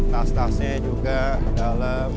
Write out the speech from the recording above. tas tasnya juga dalam